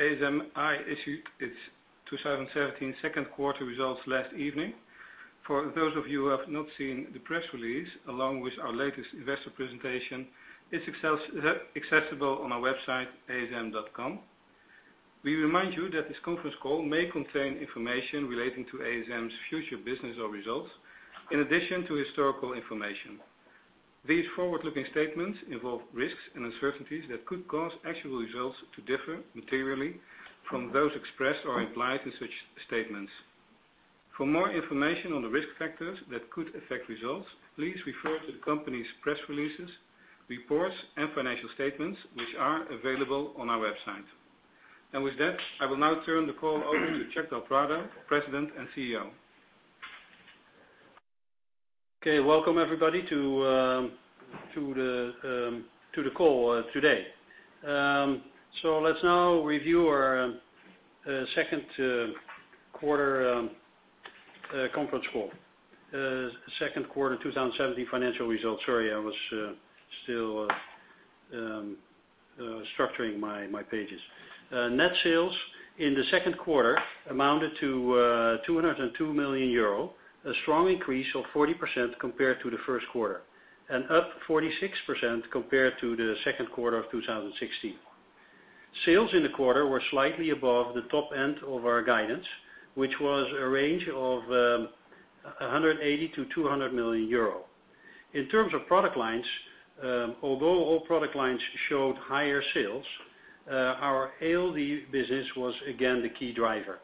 ASM issued its 2017 second quarter results last evening. For those of you who have not seen the press release, along with our latest investor presentation, it's accessible on our website, asm.com. We remind you that this conference call may contain information relating to ASM's future business or results, in addition to historical information. These forward-looking statements involve risks and uncertainties that could cause actual results to differ materially from those expressed or implied in such statements. For more information on the risk factors that could affect results, please refer to the company's press releases, reports, and financial statements, which are available on our website. And with that, I will now turn the call over to Czech Dalprada, President and CEO. Okay. Welcome everybody to the call today. Let's now review our second quarter conference call. Second quarter 2017 financial results. Sorry, I was still structuring my pages. Net sales in the second quarter amounted to 202 million euro, a strong increase of 40% compared to the first quarter, and up 46% compared to the second quarter of 2016. Sales in the quarter were slightly above the top end of our guidance, which was a range of 180 million-200 million euro. In terms of product lines, although all product lines showed higher sales, our ALD business was again the key driver.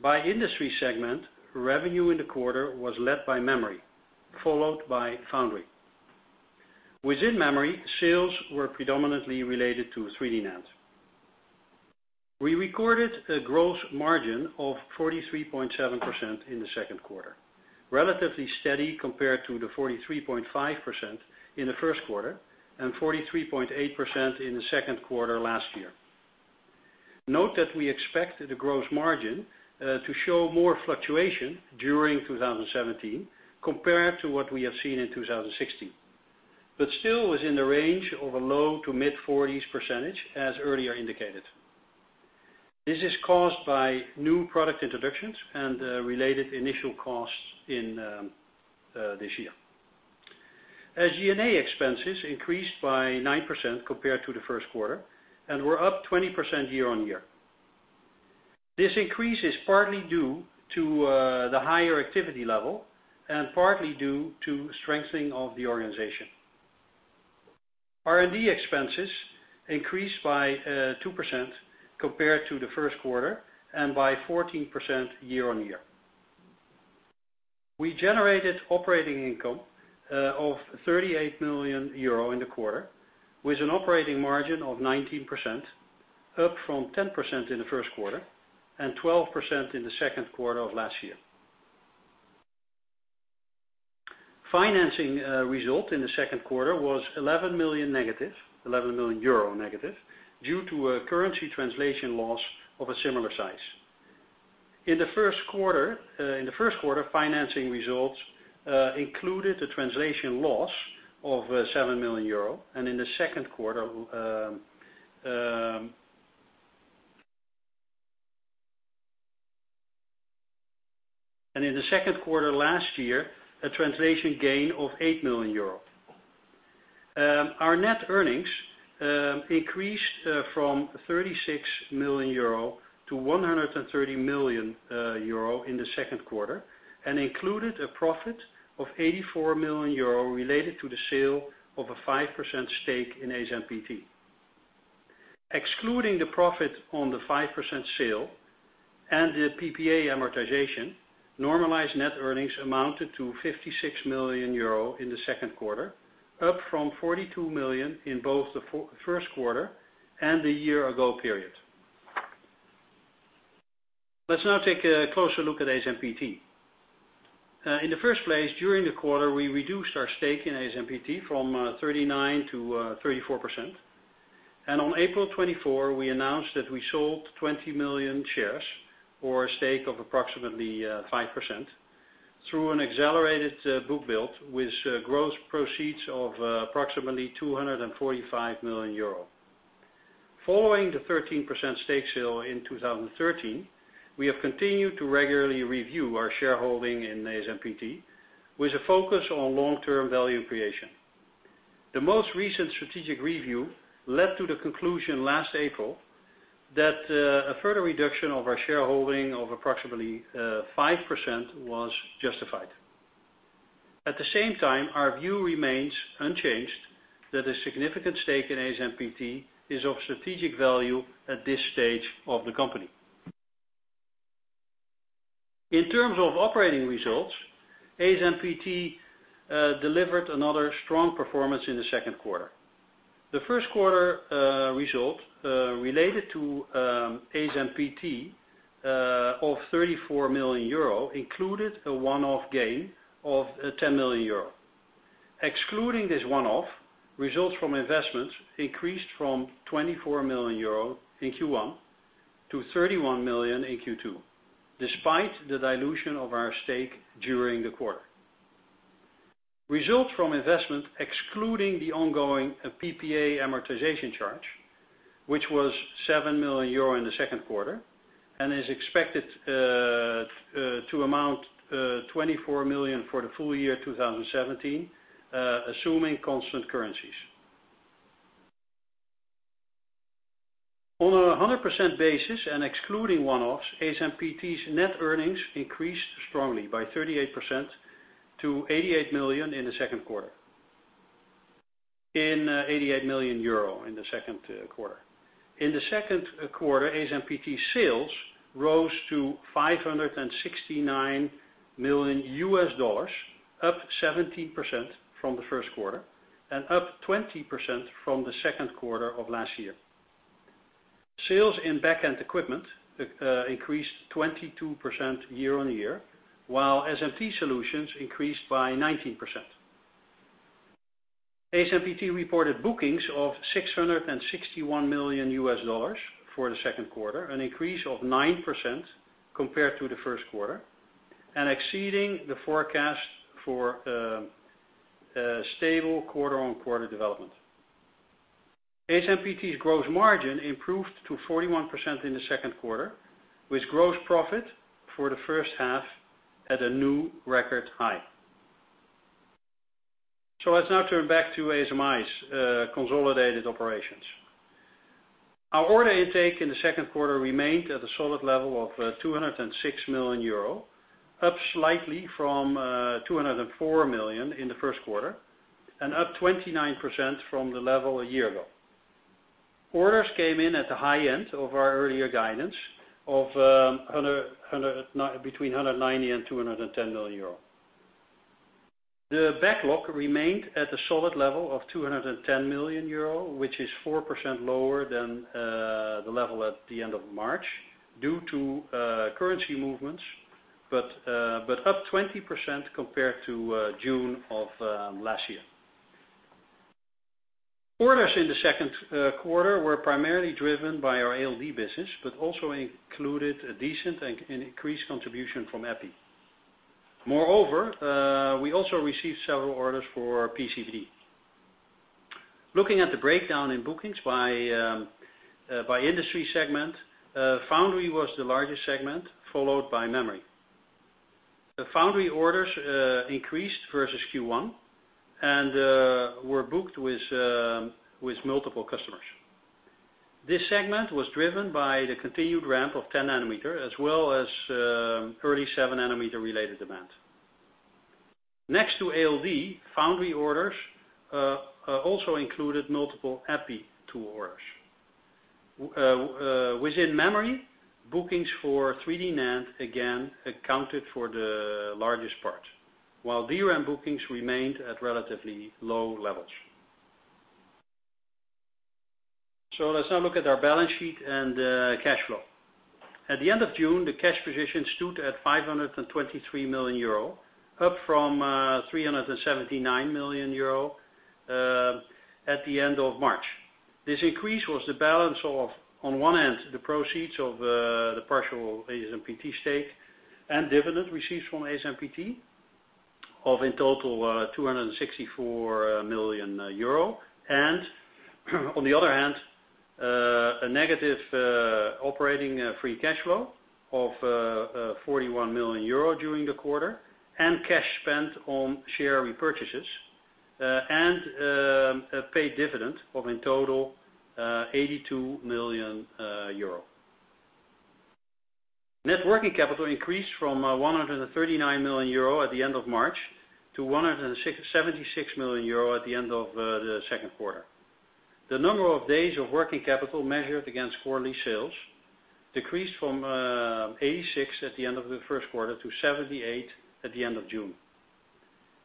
By industry segment, revenue in the quarter was led by memory, followed by foundry. Within memory, sales were predominantly related to 3D NAND. We recorded a gross margin of 43.7% in the second quarter, relatively steady compared to the 43.5% in the first quarter and 43.8% in the second quarter last year. Note that we expect the gross margin to show more fluctuation during 2017 compared to what we have seen in 2016. Still is in the range of a low to mid-40s percentage as earlier indicated. This is caused by new product introductions and related initial costs in this year. SG&A expenses increased by 9% compared to the first quarter and were up 20% year-on-year. R&D expenses increased by 2% compared to the first quarter and by 14% year-on-year. We generated operating income of 38 million euro in the quarter with an operating margin of 19%, up from 10% in the first quarter and 12% in the second quarter of last year. Financing result in the second quarter was 11 million negative, 11 million euro negative, due to a currency translation loss of a similar size. In the first quarter, financing results included a translation loss of 7 million euro and in the second quarter last year, a translation gain of 8 million euro. Our net earnings increased from 36 million euro to 130 million euro in the second quarter and included a profit of 84 million euro related to the sale of a 5% stake in ASMPT. Excluding the profit on the 5% sale and the PPA amortization, normalized net earnings amounted to 56 million euro in the second quarter, up from 42 million in both the first quarter and the year ago period. Let's now take a closer look at ASMPT. In the first place, during the quarter, we reduced our stake in ASMPT from 39% to 34%. On April 24, we announced that we sold 20 million shares or a stake of approximately 5% through an accelerated bookbuild with gross proceeds of approximately 245 million euro. Following the 13% stake sale in 2013, we have continued to regularly review our shareholding in ASMPT with a focus on long-term value creation. The most recent strategic review led to the conclusion last April that a further reduction of our shareholding of approximately 5% was justified. At the same time, our view remains unchanged that a significant stake in ASMPT is of strategic value at this stage of the company. In terms of operating results, ASMPT delivered another strong performance in the second quarter. The first quarter result related to ASMPT of 34 million euro included a one-off gain of 10 million euro. Excluding this one-off, results from investments increased from 24 million euro in Q1 to 31 million in Q2, despite the dilution of our stake during the quarter. Results from investment excluding the ongoing PPA amortization charge, which was 7 million euro in the second quarter and is expected to amount 24 million for the full year 2017, assuming constant currencies. On a 100% basis and excluding one-offs, ASMPT's net earnings increased strongly by 38% to 88 million in the second quarter. The second quarter, ASMPT's sales rose to $569 million, up 17% from the first quarter, and up 20% from the second quarter of last year. Sales in back-end equipment increased 22% year-on-year, while SMT Solutions increased by 19%. ASMPT reported bookings of $661 million for the second quarter, an increase of 9% compared to the first quarter, and exceeding the forecast for stable quarter-on-quarter development. ASMPT's gross margin improved to 41% in the second quarter, with gross profit for the first half at a new record high. Let's now turn back to ASMI's consolidated operations. Our order intake in the second quarter remained at a solid level of 206 million euro, up slightly from 204 million in the first quarter, and up 29% from the level a year ago. Orders came in at the high end of our earlier guidance of between 190 and 210 million euro. The backlog remained at a solid level of 210 million euro, which is 4% lower than the level at the end of March due to currency movements, but up 20% compared to June of last year. Orders in the second quarter were primarily driven by our ALD business, but also included a decent and increased contribution from EPI. Moreover, we also received several orders for our PCD. Looking at the breakdown in bookings by industry segment, foundry was the largest segment, followed by memory. The foundry orders increased versus Q1 and were booked with multiple customers. This segment was driven by the continued ramp of 10 nanometer as well as early seven nanometer-related demand. Next to ALD, foundry orders also included multiple EPI tool orders. Within memory, bookings for 3D NAND again accounted for the largest part, while DRAM bookings remained at relatively low levels. Let's now look at our balance sheet and cash flow. At the end of June, the cash position stood at 523 million euro, up from 379 million euro at the end of March. This increase was the balance of, on one end, the proceeds of the partial ASMPT stake and dividend received from ASMPT of in total 264 million euro. On the other hand, a negative operating free cash flow of 41 million euro during the quarter, and cash spent on share repurchases, and a paid dividend of in total 82 million euro. Net working capital increased from 139 million euro at the end of March to 176 million euro at the end of the second quarter. The number of days of working capital measured against quarterly sales decreased from 86 at the end of the first quarter to 78 at the end of June.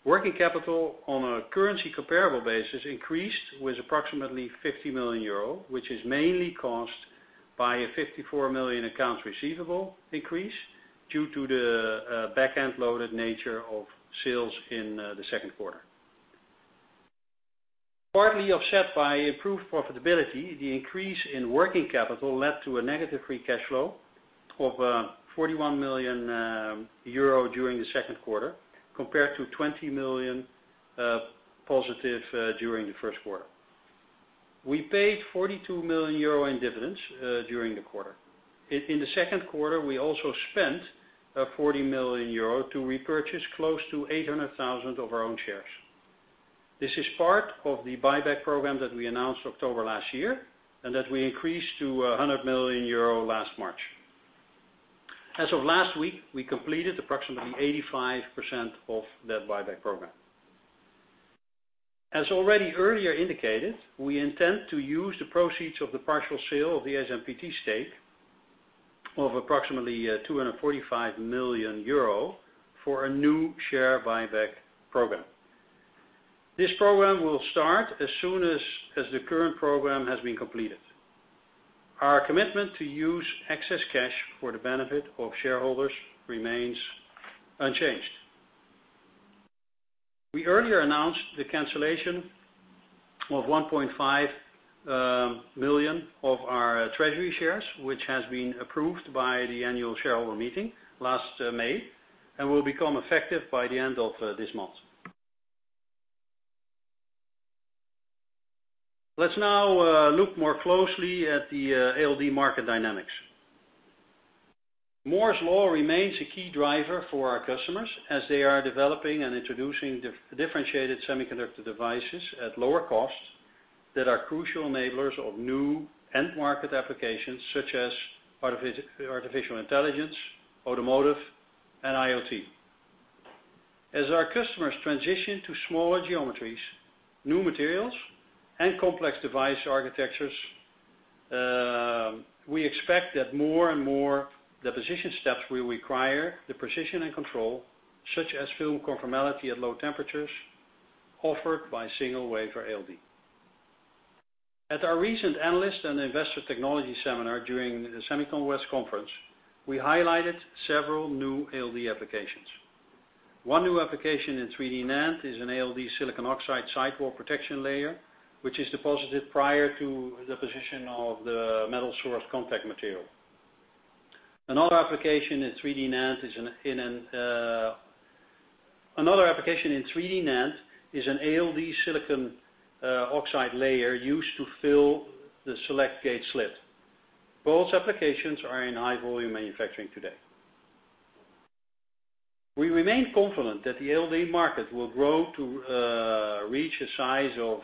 Working capital on a currency comparable basis increased with approximately 50 million euro, which is mainly caused by a 54 million accounts receivable increase due to the back-end loaded nature of sales in the second quarter. Partly offset by improved profitability, the increase in working capital led to a negative free cash flow of 41 million euro during the second quarter, compared to 20 million positive during the first quarter. We paid 42 million euro in dividends during the quarter. In the second quarter, we also spent 40 million euro to repurchase close to 800,000 of our own shares. This is part of the buyback program that we announced October last year, and that we increased to 100 million euro last March. As of last week, we completed approximately 85% of that buyback program. As already earlier indicated, we intend to use the proceeds of the partial sale of the ASMPT stake of approximately 245 million euro for a new share buyback program. This program will start as soon as the current program has been completed. Our commitment to use excess cash for the benefit of shareholders remains unchanged. We earlier announced the cancellation of 1.5 million of our treasury shares, which has been approved by the annual shareholder meeting last May, and will become effective by the end of this month. Let's now look more closely at the ALD market dynamics. Moore's Law remains a key driver for our customers as they are developing and introducing differentiated semiconductor devices at lower costs that are crucial enablers of new end market applications such as artificial intelligence, automotive, and IoT. As our customers transition to smaller geometries, new materials and complex device architectures, we expect that more and more deposition steps will require the precision and control, such as film conformality at low temperatures, offered by single-wafer ALD. At our recent analyst and investor technology seminar during the SEMICON West Conference, we highlighted several new ALD applications. One new application in 3D-NAND is an ALD silicon oxide sidewall protection layer, which is deposited prior to the deposition of the metal source contact material. Another application in 3D-NAND is an ALD silicon oxide layer used to fill the select gate slit. Both applications are in high-volume manufacturing today. We remain confident that the ALD market will grow to reach a size of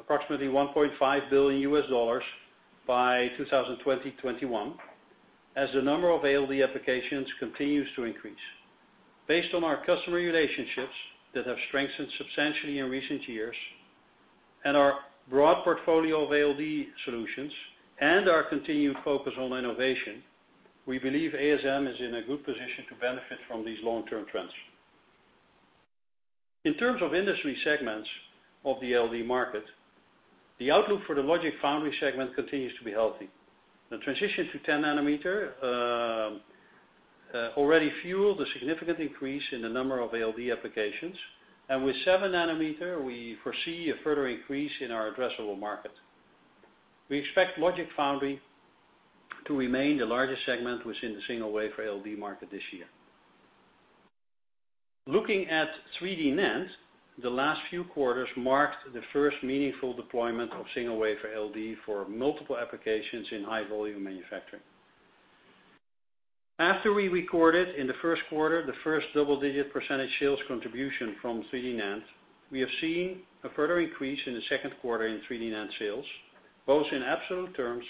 approximately $1.5 billion by 2021, as the number of ALD applications continues to increase. Based on our customer relationships that have strengthened substantially in recent years and our broad portfolio of ALD solutions and our continued focus on innovation, we believe ASM is in a good position to benefit from these long-term trends. In terms of industry segments of the ALD market, the outlook for the logic foundry segment continues to be healthy. The transition to 10 nanometer already fueled a significant increase in the number of ALD applications. And with seven nanometer, we foresee a further increase in our addressable market. We expect logic foundry to remain the largest segment within the single-wafer ALD market this year. Looking at 3D NAND, the last few quarters marked the first meaningful deployment of single-wafer ALD for multiple applications in high-volume manufacturing. After we recorded in the first quarter, the first double-digit % sales contribution from 3D NAND, we have seen a further increase in the second quarter in 3D NAND sales, both in absolute terms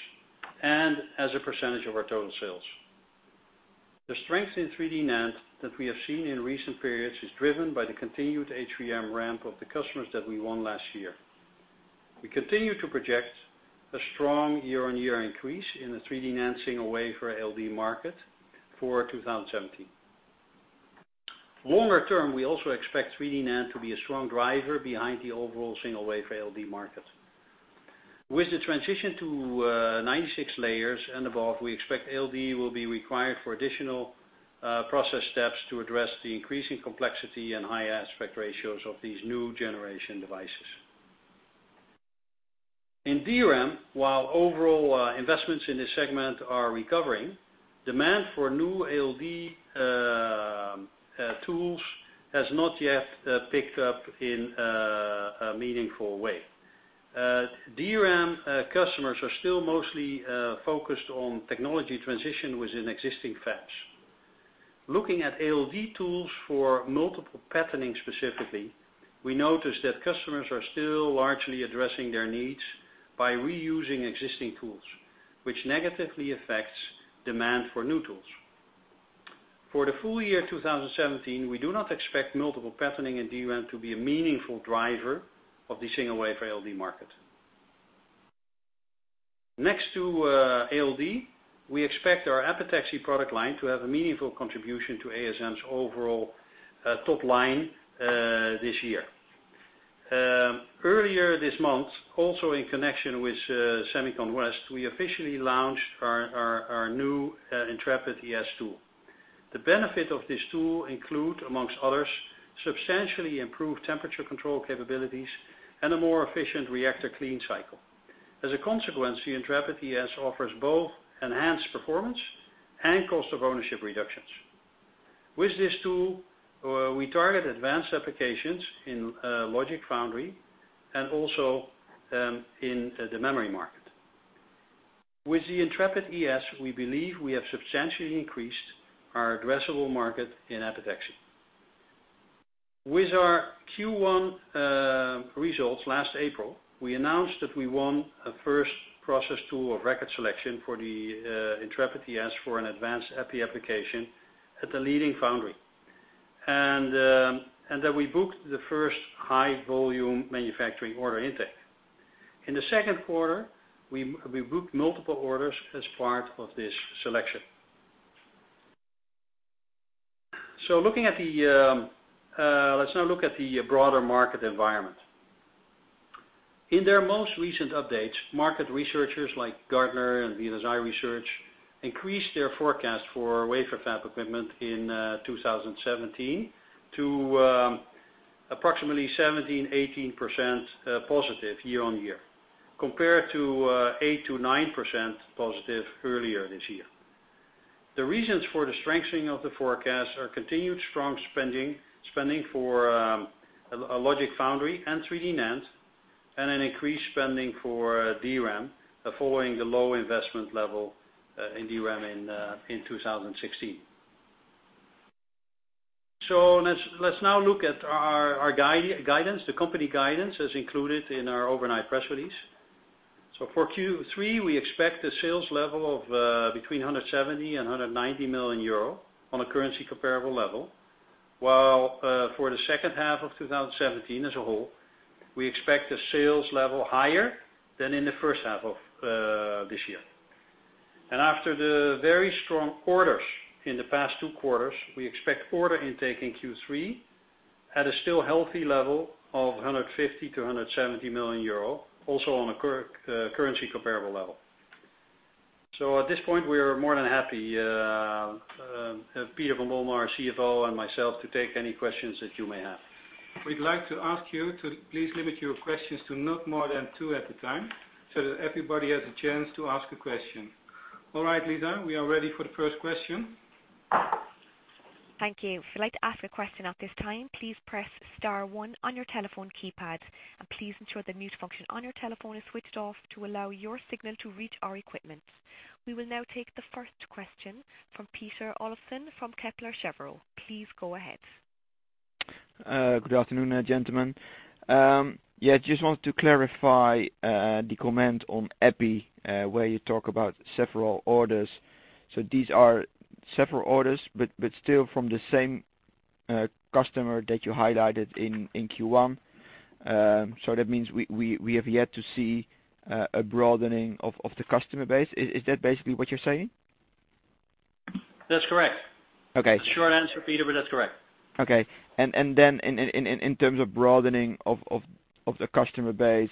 and as a % of our total sales. The strength in 3D NAND that we have seen in recent periods is driven by the continued HVM ramp of the customers that we won last year. We continue to project a strong year-on-year increase in the 3D NAND single-wafer ALD market for 2017. Longer term, we also expect 3D NAND to be a strong driver behind the overall single-wafer ALD market. With the transition to 96 layers and above, we expect ALD will be required for additional process steps to address the increasing complexity and high aspect ratios of these new generation devices. In DRAM, while overall investments in this segment are recovering, demand for new ALD tools has not yet picked up in a meaningful way. DRAM customers are still mostly focused on technology transition within existing fabs. Looking at ALD tools for multiple patterning specifically, we noticed that customers are still largely addressing their needs by reusing existing tools, which negatively affects demand for new tools. For the full year 2017, we do not expect multiple patterning in DRAM to be a meaningful driver of the single-wafer ALD market. Next to ALD, we expect our epitaxy product line to have a meaningful contribution to ASM's overall top line this year. Earlier this month, also in connection with SEMICON West, we officially launched our new Intrepid ES tool. The benefit of this tool include, amongst others, substantially improved temperature control capabilities and a more efficient reactor clean cycle. As a consequence, the Intrepid ES offers both enhanced performance and cost of ownership reductions. With this tool, we target advanced applications in logic foundry and also in the memory market. With the Intrepid ES, we believe we have substantially increased our addressable market in epitaxy. With our Q1 results last April, we announced that we won a first process tool of record selection for the Intrepid ES for an advanced epi application at the leading foundry. And that we booked the first high-volume manufacturing order intake. In the second quarter, we booked multiple orders as part of this selection. Let's now look at the broader market environment. In their most recent updates, market researchers like Gartner and VLSI Research increased their forecast for wafer fab equipment in 2017 to approximately 17%-18% positive year-on-year, compared to 8%-9% positive earlier this year. The reasons for the strengthening of the forecast are continued strong spending for logic foundry and 3D NAND, and an increased spending for DRAM following the low investment level in DRAM in 2016. Let's now look at our guidance. The company guidance as included in our overnight press release. For Q3, we expect the sales level of between 170 million and 190 million euro on a currency comparable level, while for the second half of 2017 as a whole, we expect the sales level higher than in the first half of this year. After the very strong quarters in the past two quarters, we expect order intake in Q3 at a still healthy level of 150 million-170 million euro, also on a currency comparable level. At this point, we are more than happy, Peter van Bommel, our CFO, and myself, to take any questions that you may have. We'd like to ask you to please limit your questions to not more than two at a time, so that everybody has a chance to ask a question. All right, Lisa, we are ready for the first question. Thank you. If you'd like to ask a question at this time, please press star one on your telephone keypad and please ensure the mute function on your telephone is switched off to allow your signal to reach our equipment. We will now take the first question from Peter Olofsen from Kepler Cheuvreux. Please go ahead. Good afternoon, gentlemen. Just wanted to clarify, the comment on EPI, where you talk about several orders. These are several orders, but still from the same customer that you highlighted in Q1. That means we have yet to see a broadening of the customer base. Is that basically what you're saying? That's correct. Okay. Short answer, Peter, but that's correct. Okay. Then in terms of broadening of the customer base,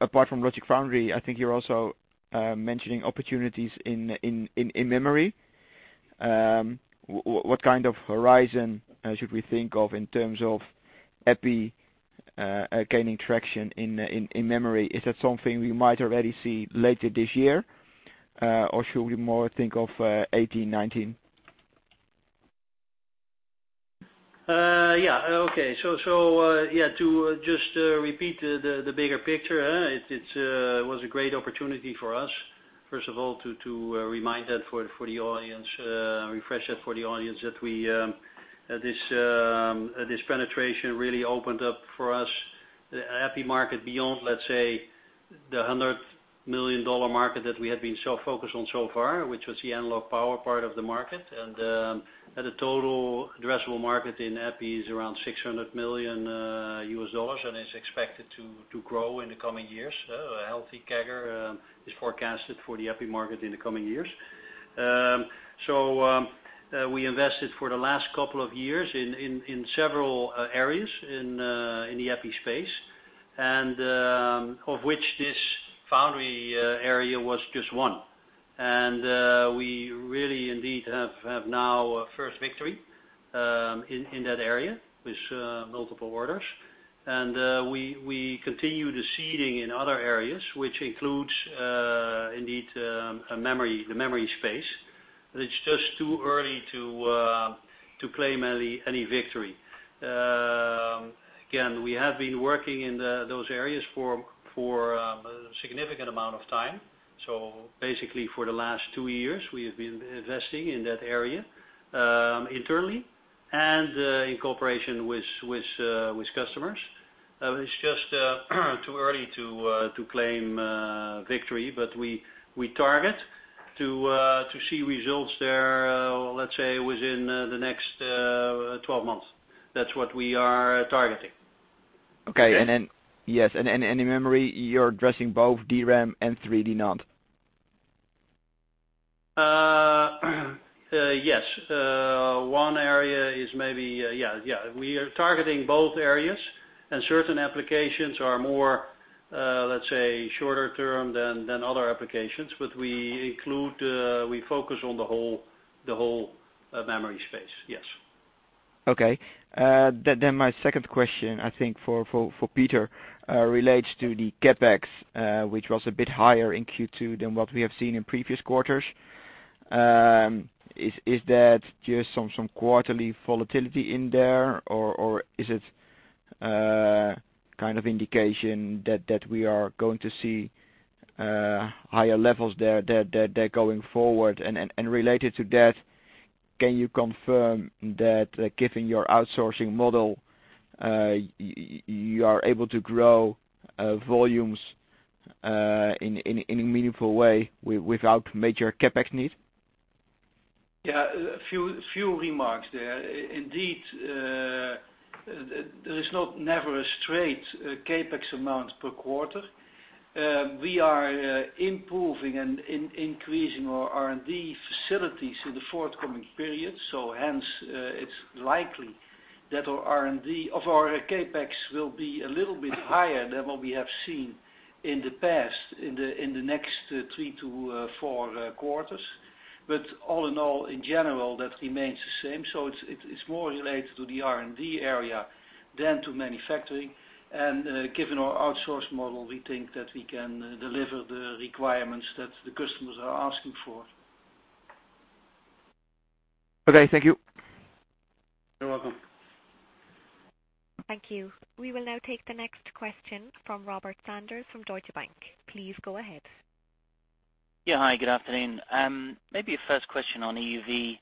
apart from Logic Foundry, I think you're also mentioning opportunities in memory. What kind of horizon should we think of in terms of EPI gaining traction in memory? Is that something we might already see later this year? Or should we more think of 2018, 2019? Yeah. Okay. To just repeat the bigger picture. It was a great opportunity for us, first of all, to remind that for the audience, refresh that for the audience, that this penetration really opened up for us, the EPI market beyond, let's say, the EUR 100 million market that we had been so focused on so far, which was the analog power part of the market. The total addressable market in EPI is around 600 million US dollars and is expected to grow in the coming years. A healthy CAGR is forecasted for the EPI market in the coming years. We invested for the last couple of years in several areas in the EPI space, of which this Foundry area was just one. We really indeed have now a first victory in that area with multiple orders. We continue the seeding in other areas, which includes, indeed, the memory space. It's just too early to claim any victory. We have been working in those areas for a significant amount of time. So basically, for the last two years, we have been investing in that area, internally and in cooperation with customers. It's just too early to claim victory. We target to see results there, let's say, within the next 12 months. That's what we are targeting. Okay. In memory, you're addressing both DRAM and 3D-NAND? Yes. One area is maybe. We are targeting both areas, and certain applications are more, let's say, shorter term than other applications. We focus on the whole memory space. Yes. Okay. My second question, I think for Peter, relates to the CapEx, which was a bit higher in Q2 than what we have seen in previous quarters. Is that just some quarterly volatility in there, or is it kind of indication that we are going to see higher levels there going forward? Related to that, can you confirm that given your outsourcing model, you are able to grow volumes in a meaningful way without major CapEx need? Yeah. A few remarks there. Indeed, there is never a straight CapEx amount per quarter. We are improving and increasing our R&D facilities in the forthcoming periods. Hence, it's likely that our R&D of our CapEx will be a little bit higher than what we have seen in the past, in the next three to four quarters. All in all, in general, that remains the same. It's more related to the R&D area than to manufacturing. Given our outsource model, we think that we can deliver the requirements that the customers are asking for. Okay, thank you. You're welcome. Thank you. We will now take the next question from Robert Sanders from Deutsche Bank. Please go ahead. Yeah. Hi, good afternoon. Maybe a first question on EUV.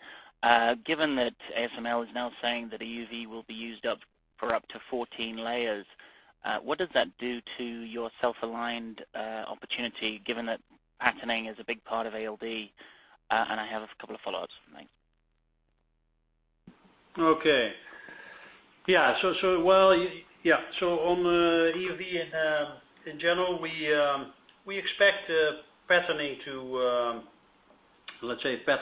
Given that ASML is now saying that EUV will be used up for up to 14 layers, what does that do to your self-aligned opportunity, given that patterning is a big part of ALD? I have a couple of follow-ups. Thanks. Okay. Yeah. On EUV, in general, we expect, let's say,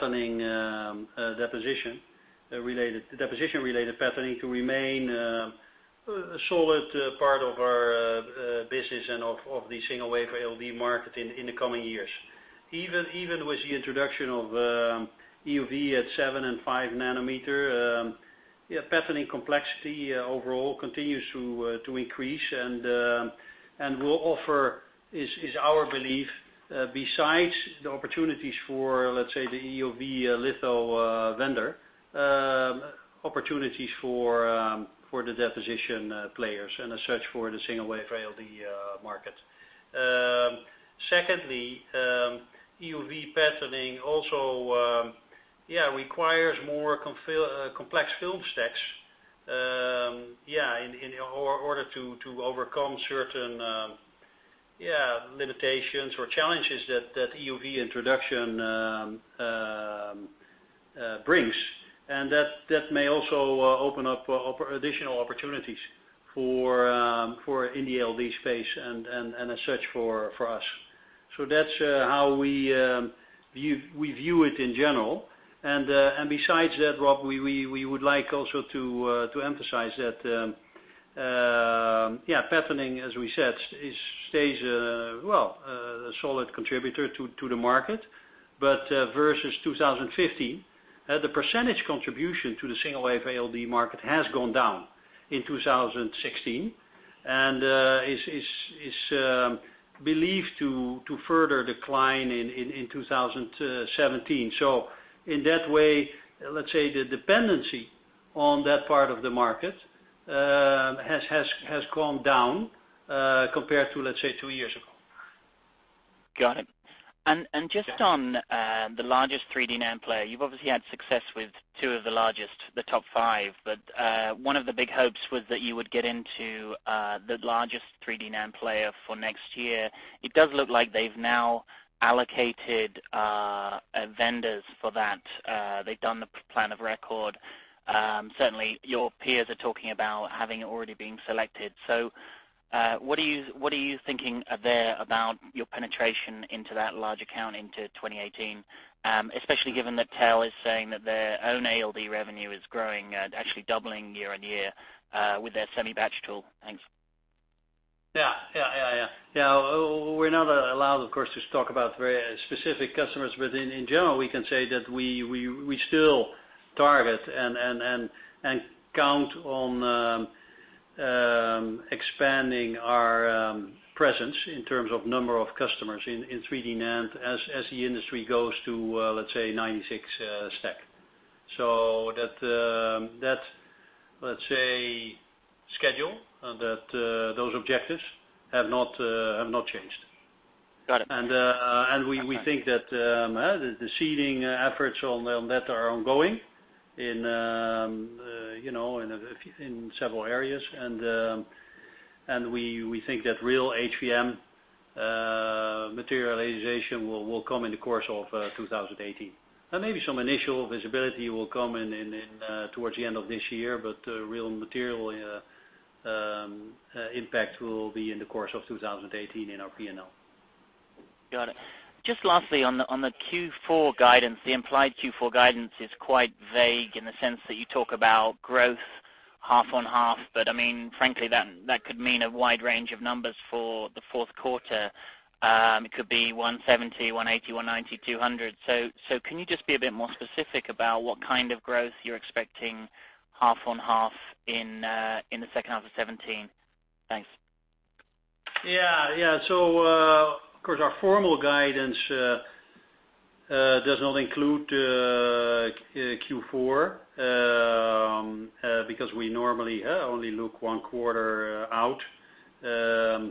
deposition-related patterning to remain a solid part of our business and of the single-wafer ALD market in the coming years. Even with the introduction of EUV at seven and five nanometer, patterning complexity overall continues to increase and is our belief, besides the opportunities for, let's say, the EUV litho vendor, opportunities for the deposition players and a search for the single-wafer ALD market. Secondly, EUV patterning also requires more complex film stacks in order to overcome certain limitations or challenges that EUV introduction brings. That may also open up additional opportunities in the ALD space and a search for us. That's how we view it in general. Besides that, Rob, we would like also to emphasize that, patterning, as we said, stays a solid contributor to the market. Versus 2015, the percentage contribution to the single-wafer ALD market has gone down in 2016 and is believed to further decline in 2017. In that way, let's say, the dependency on that part of the market has gone down, compared to, let's say, two years ago. Got it. Just on the largest 3D NAND player. You've obviously had success with two of the largest, the top five. One of the big hopes was that you would get into the largest 3D NAND player for next year. It does look like they've now allocated vendors for that. They've done the plan of record. Certainly, your peers are talking about having already been selected. What are you thinking there about your penetration into that large account into 2018? Especially given that TEL is saying that their own ALD revenue is growing, actually doubling year-over-year, with their semi batch tool. Thanks. Yeah. We're not allowed, of course, to talk about very specific customers. In general, we can say that we still target and count on expanding our presence in terms of number of customers in 3D NAND as the industry goes to, let's say, 96 stack. That schedule and those objectives have not changed. Got it. We think that the seeding efforts on that are ongoing in several areas, and we think that real HVM materialization will come in the course of 2018. Maybe some initial visibility will come towards the end of this year, but real material impact will be in the course of 2018 in our P&L. Got it. Just lastly, on the Q4 guidance, the implied Q4 guidance is quite vague in the sense that you talk about growth half on half. Frankly, that could mean a wide range of numbers for the fourth quarter. It could be 170, 180, 190, 200. Can you just be a bit more specific about what kind of growth you're expecting half on half in the second half of 2017? Thanks. Yeah. Of course, our formal guidance does not include Q4, because we normally only look one quarter out. As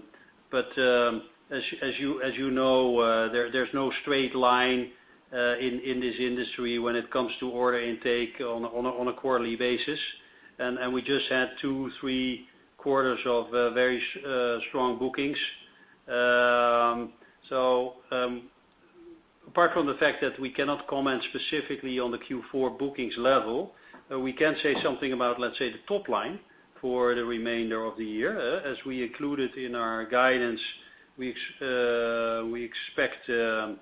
you know, there's no straight line in this industry when it comes to order intake on a quarterly basis. We just had two, three quarters of very strong bookings. Apart from the fact that we cannot comment specifically on the Q4 bookings level, we can say something about, let's say, the top line for the remainder of the year. As we included in our guidance, we expect the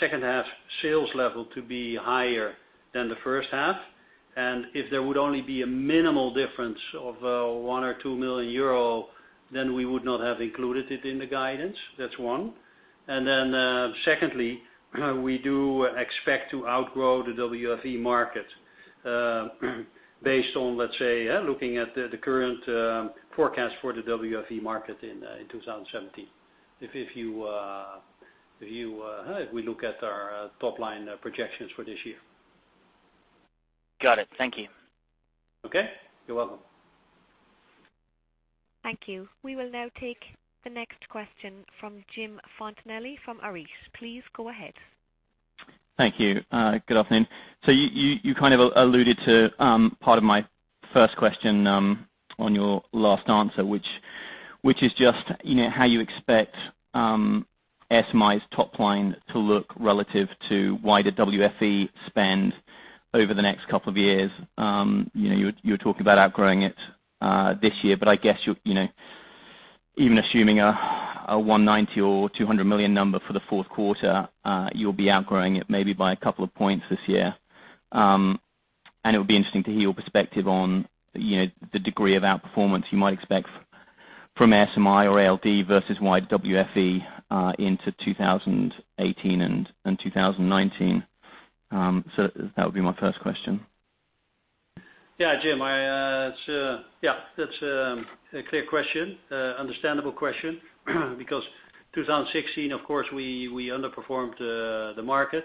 second half sales level to be higher than the first half. If there would only be a minimal difference of EUR one or two million, then we would not have included it in the guidance. That's one. Secondly, we do expect to outgrow the WFE market based on, let's say, looking at the current forecast for the WFE market in 2017. If we look at our top-line projections for this year. Got it. Thank you. Okay. You're welcome. Thank you. We will now take the next question from Jim Fontanelli from Arete. Please go ahead. Thank you. Good afternoon. You kind of alluded to part of my first question on your last answer, which is just how you expect ASMI's top line to look relative to wider WFE spend over the next couple of years. You were talking about outgrowing it this year, but I guess, even assuming a 190 million or 200 million number for the fourth quarter, you'll be outgrowing it maybe by a couple of points this year. It would be interesting to hear your perspective on the degree of outperformance you might expect from ASMI or ALD versus wide WFE into 2018 and 2019. That would be my first question. Yeah, Jim. That's a clear question, understandable question. 2016, of course, we underperformed the market.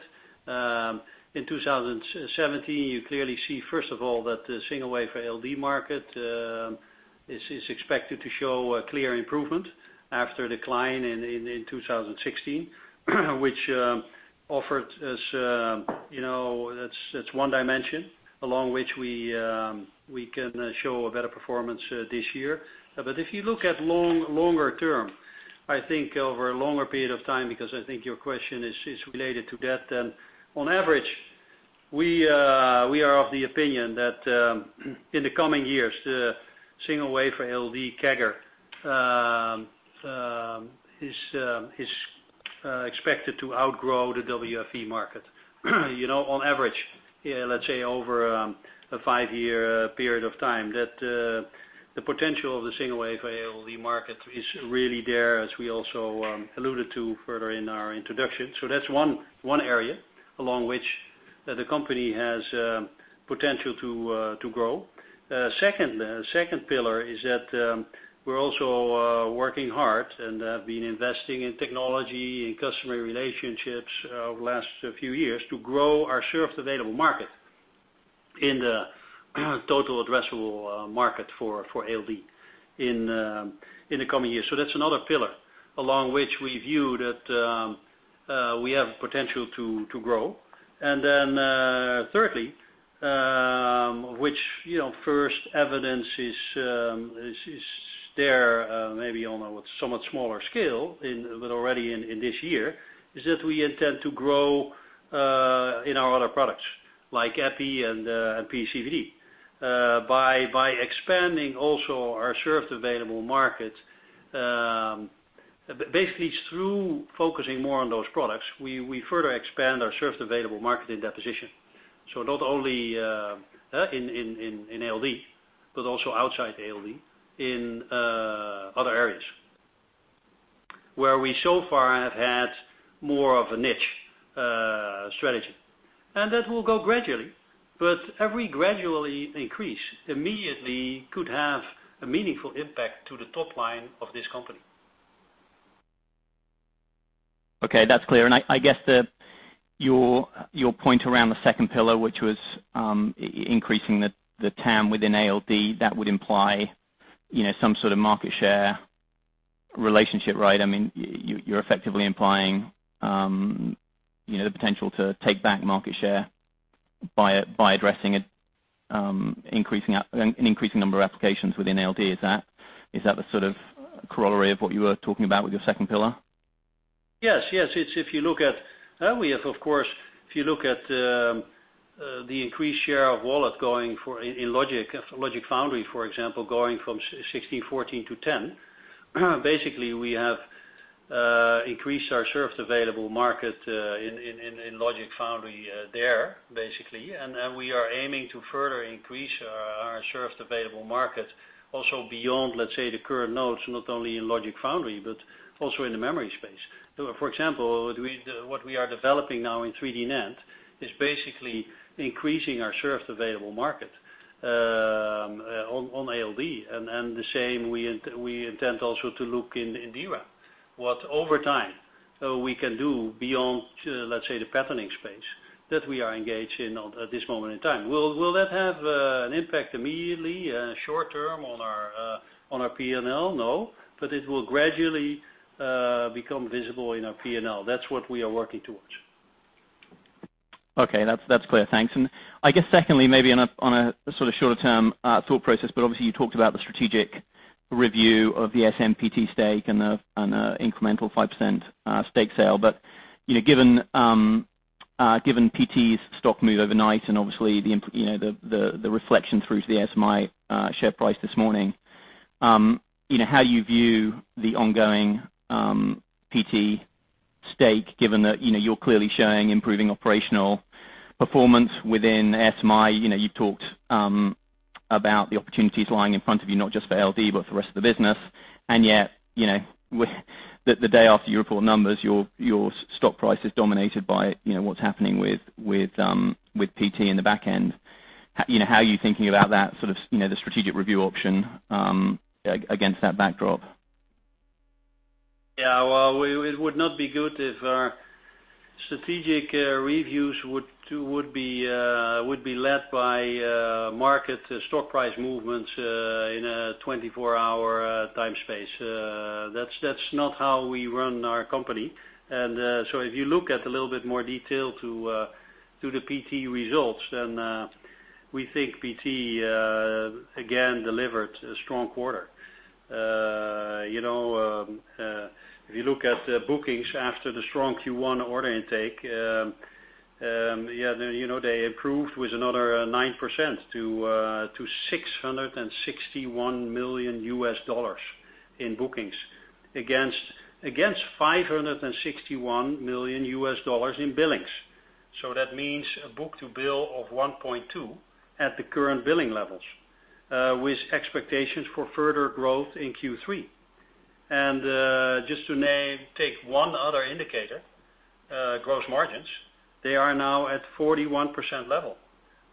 In 2017, you clearly see, first of all, that the single-wafer ALD market is expected to show a clear improvement after decline in 2016, which offered as, that's one dimension along which we can show a better performance this year. If you look at longer term, I think over a longer period of time, because I think your question is related to that, on average, we are of the opinion that in the coming years, the single-wafer ALD CAGR is expected to outgrow the WFE market. On average, let's say over a five-year period of time, that the potential of the single-wafer ALD market is really there, as we also alluded to further in our introduction. That's one area along which the company has potential to grow. Second pillar is that we're also working hard and have been investing in technology, in customer relationships over the last few years to grow our served available market in the total addressable market for ALD in the coming years. That's another pillar along which we view that we have potential to grow. Thirdly, which first evidence is there, maybe on a somewhat smaller scale, but already in this year, is that we intend to grow in our other products like EPI and PECVD. By expanding also our served available market. Basically through focusing more on those products, we further expand our served available market in deposition. Not only in ALD, but also outside ALD in other areas where we so far have had more of a niche strategy. That will go gradually, but every gradually increase immediately could have a meaningful impact to the top line of this company. Okay, that's clear. I guess your point around the second pillar, which was increasing the TAM within ALD, that would imply some sort of market share relationship, right? You're effectively implying the potential to take back market share by addressing an increasing number of applications within ALD. Is that the sort of corollary of what you were talking about with your second pillar? Yes. Of course, if you look at the increased share of wallet going for in Logic Foundry, for example, going from 1614 to 10. Basically, we have increased our served available market in Logic Foundry there, basically. We are aiming to further increase our served available market also beyond, let's say, the current nodes, not only in Logic Foundry, but also in the memory space. For example, what we are developing now in 3D NAND is basically increasing our served available market on ALD. The same we intend also to look in DRAM, what over time we can do beyond, let's say, the patterning space that we are engaged in at this moment in time. Will that have an impact immediately, short term on our P&L? No, but it will gradually become visible in our P&L. That's what we are working towards. Okay. That's clear. Thanks. I guess secondly, maybe on a sort of shorter term thought process, but obviously you talked about the strategic review of the ASMPT stake and incremental 5% stake sale. Given PT's stock move overnight and obviously the reflection through to the ASMI share price this morning, how you view the ongoing PT stake, given that you're clearly showing improving operational performance within ASMI. You've talked about the opportunities lying in front of you, not just for ALD, but for the rest of the business. Yet, the day after you report numbers, your stock price is dominated by what's happening with PT in the back-end. How are you thinking about that, sort of, the strategic review option, against that backdrop? Well, it would not be good if our strategic reviews would be led by market stock price movements in a 24-hour time space. That's not how we run our company. If you look at a little bit more detail to the PT results, then we think PT again delivered a strong quarter. If you look at the bookings after the strong Q1 order intake, they improved with another 9% to EUR 661 million in bookings against EUR 561 million in billings. That means a book-to-bill of 1.2 at the current billing levels, with expectations for further growth in Q3. Just to take one other indicator, gross margins, they are now at 41% level,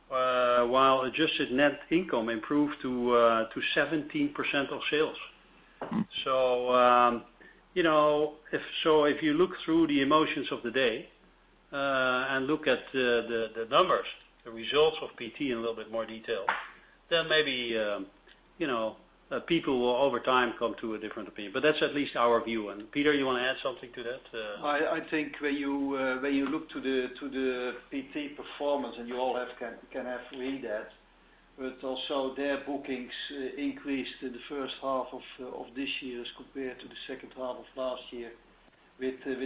while adjusted net income improved to 17% of sales. If you look through the emotions of the day, and look at the numbers, the results of PT in a little bit more detail, then maybe, people will over time come to a different opinion. That's at least our view. Peter, you want to add something to that? I think when you look to the PT performance, you all can actually read that, but also their bookings increased in the first half of this year as compared to the second half of last year with 14%.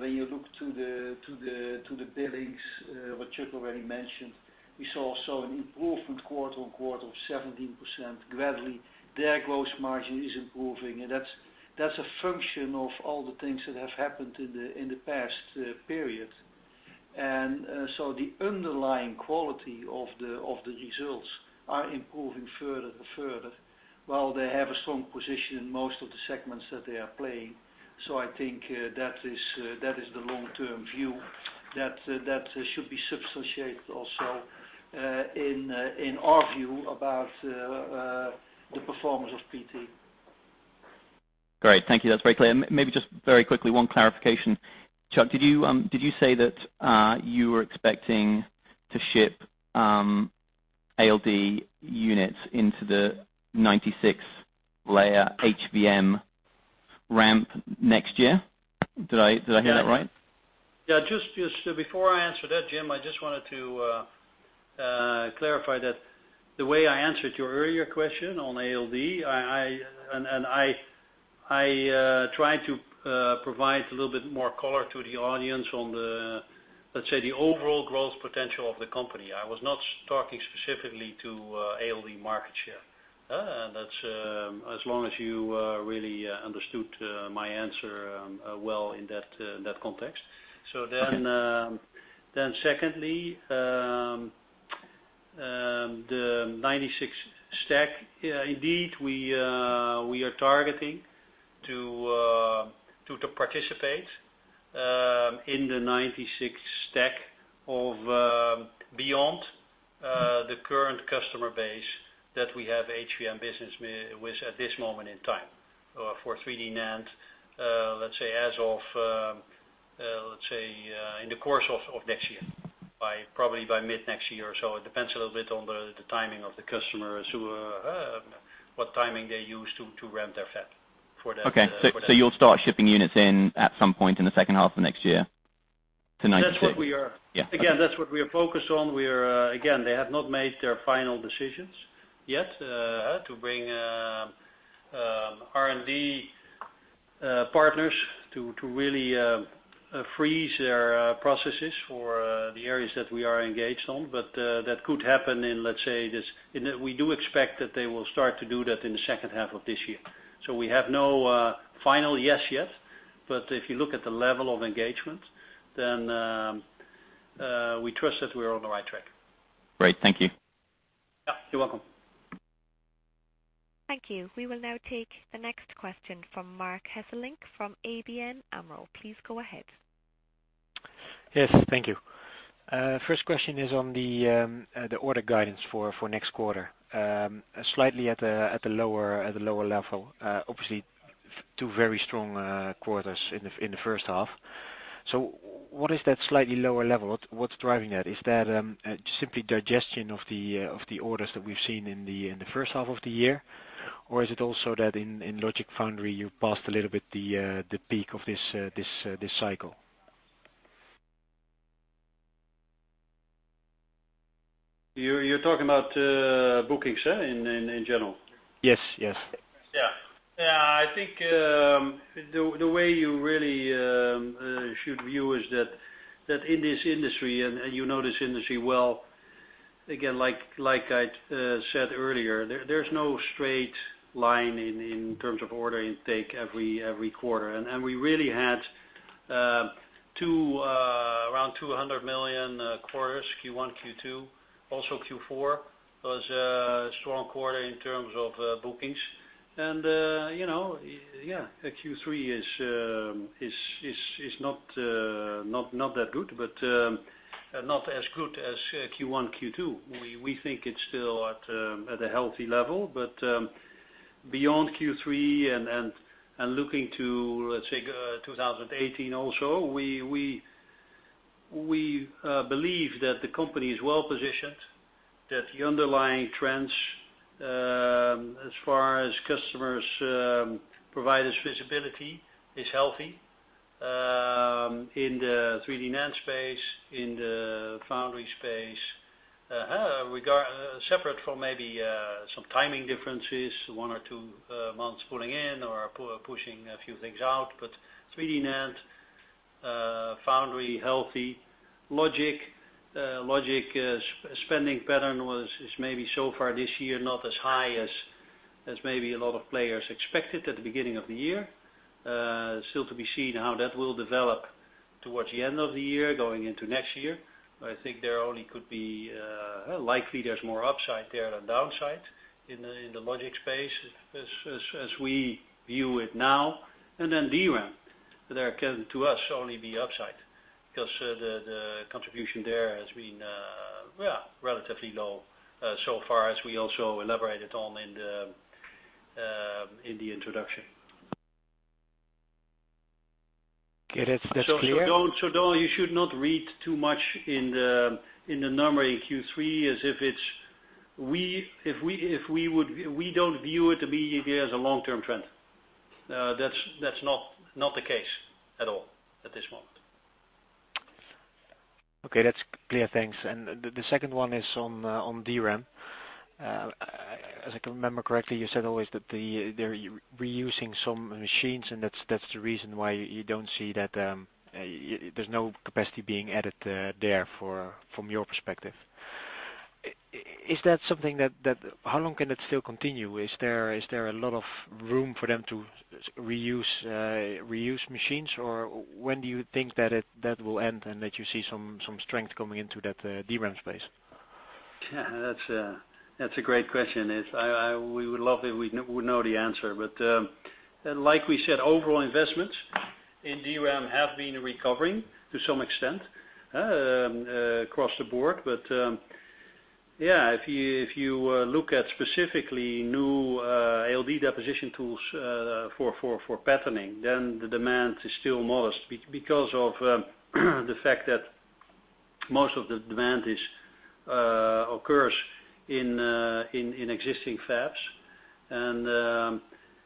When you look to the billings, which Chuck already mentioned, we saw also an improvement quarter-on-quarter of 17%. Gradually, their gross margin is improving, and that's a function of all the things that have happened in the past period. The underlying quality of the results are improving further and further, while they have a strong position in most of the segments that they are playing. I think that is the long-term view that should be substantiated also, in our view about the performance of PT. Great. Thank you. That's very clear. Maybe just very quickly, one clarification. Chuck, did you say that you were expecting to ship ALD units into the 96-layer HVM ramp next year? Did I hear that right? Yeah. Just before I answer that, Jim, I just wanted to clarify that the way I answered your earlier question on ALD, I tried to provide a little bit more color to the audience on the, let's say the overall growth potential of the company. I was not talking specifically to ALD market share. As long as you really understood my answer well in that context. Secondly, the 96 stack, indeed, we are targeting to participate, in the 96 stack of beyond the current customer base that we have HVM business with at this moment in time. For 3D-NAND, let's say in the course of next year, probably by mid-next year or so. It depends a little bit on the timing of the customers, what timing they use to ramp their fab for that. Okay. You'll start shipping units in at some point in the second half of next year to 96? Again, that's what we are focused on. Again, they have not made their final decisions yet, to bring R&D partners to really freeze their processes for the areas that we are engaged on. That could happen in, let's say this, we do expect that they will start to do that in the second half of this year. We have no final yes yet, but if you look at the level of engagement, then we trust that we're on the right track. Great. Thank you. Yeah. You're welcome. Thank you. We will now take the next question from Marc Hesselink from ABN AMRO. Please go ahead. Yes, thank you. First question is on the order guidance for next quarter. Slightly at the lower level. Obviously, two very strong quarters in the first half. What is that slightly lower level? What's driving that? Is that simply digestion of the orders that we've seen in the first half of the year? Or is it also that in Logic Foundry, you've passed a little bit the peak of this cycle? You're talking about bookings in general? Yes. Yeah. I think the way you really should view is that in this industry, and you know this industry well, again, like I said earlier, there's no straight line in terms of order intake every quarter. We really had around 200 million quarters, Q1, Q2, also Q4 was a strong quarter in terms of bookings. Q3 is not that good, but not as good as Q1, Q2. We think it's still at a healthy level. Beyond Q3 and looking to, let's say, 2018 also, we believe that the company is well-positioned, that the underlying trends, as far as customers provide us visibility, is healthy, in the 3D NAND space, in the foundry space, separate from maybe some timing differences, one or two months pulling in or pushing a few things out. 3D NAND, foundry, healthy. Logic spending pattern is maybe so far this year, not as high as maybe a lot of players expected at the beginning of the year. Still to be seen how that will develop towards the end of the year, going into next year. I think there only could be, likely there's more upside there than downside in the logic space as we view it now. DRAM. There can, to us, only be upside because the contribution there has been relatively low so far as we also elaborated on in the introduction. Okay, that's clear. You should not read too much in the number in Q3. We don't view it to be as a long-term trend. That's not the case at all at this moment. Okay, that's clear. Thanks. The second one is on DRAM. As I can remember correctly, you said always that they're reusing some machines, and that's the reason why you don't see that there's no capacity being added there from your perspective. How long can that still continue? Is there a lot of room for them to reuse machines? When do you think that will end and that you see some strength coming into that DRAM space? That's a great question. We would love it, we'd know the answer. Like we said, overall investments in DRAM have been recovering to some extent, across the board. If you look at specifically new ALD deposition tools, for patterning, then the demand is still modest because of the fact that most of the demand occurs in existing fabs.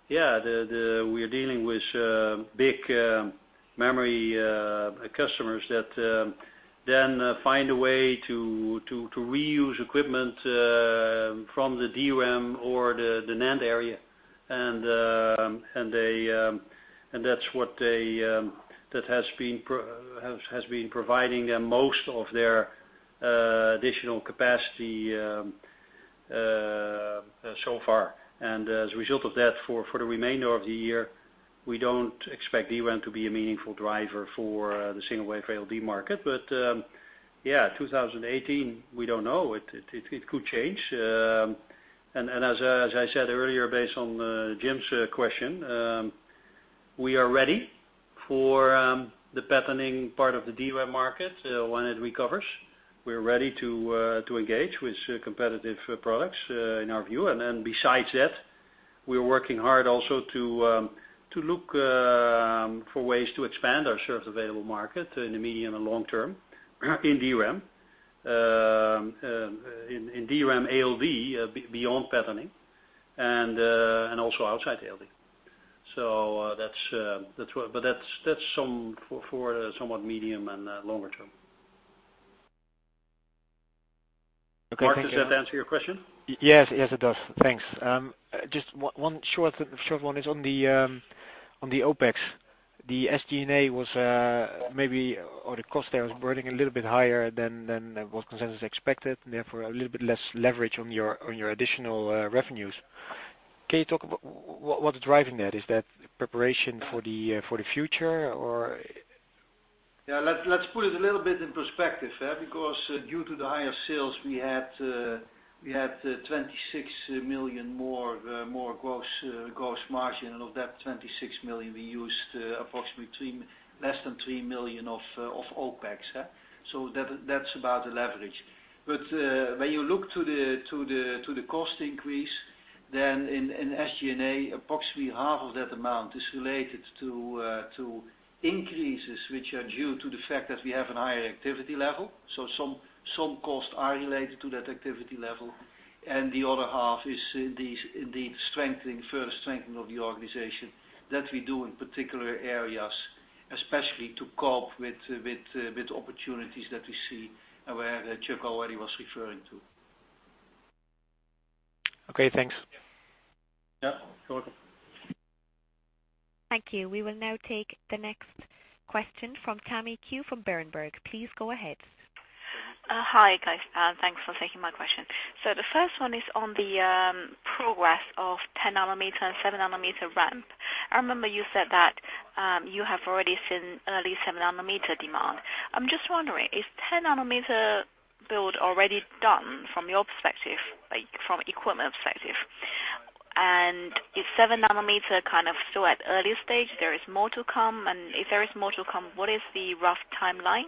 We're dealing with big memory customers that then find a way to reuse equipment from the DRAM or the NAND area. That has been providing them most of their additional capacity so far. As a result of that, for the remainder of the year, we don't expect DRAM to be a meaningful driver for the single-wafer ALD market. 2018, we don't know. It could change. As I said earlier, based on Jim's question, we are ready for the patterning part of the DRAM market when it recovers. We're ready to engage with competitive products, in our view. Besides that, we're working hard also to look for ways to expand our served available market in the medium and long term in DRAM ALD, beyond patterning, and also outside ALD. That's for somewhat medium and longer term. Okay, thank you. Marc, does that answer your question? Yes, it does. Thanks. Just one short one is on the OpEx. The SG&A or the cost there was burning a little bit higher than what consensus expected. Therefore a little bit less leverage on your additional revenues. Can you talk about what's driving that? Is that preparation for the future or? Let's put it a little bit in perspective. Due to the higher sales, we had 26 million more gross margin. Of that 26 million, we used approximately less than 3 million of OpEx. That's about the leverage. When you look to the cost increase in SG&A, approximately half of that amount is related to increases which are due to the fact that we have a higher activity level. Some costs are related to that activity level, and the other half is the further strengthening of the organization that we do in particular areas, especially to cope with the opportunities that we see and where Chuck already was referring to. Okay, thanks. Yeah. You're welcome. Thank you. We will now take the next question from Tammy Qiu from Berenberg. Please go ahead. Hi, guys. Thanks for taking my question. The first one is on the progress of 10 nanometer and 7 nanometer ramp. I remember you said that you have already seen early 7 nanometer demand. I'm just wondering, is 10 nanometer build already done from your perspective, like from equipment perspective? Is 7 nanometer still at early stage, there is more to come? If there is more to come, what is the rough timeline?